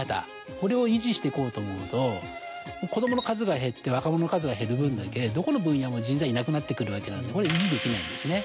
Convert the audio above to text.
これを維持してこうと思うと子供の数が減って若者の数が減る分だけどこの分野も人材いなくなってくるわけなのでこれ維持できないんですね。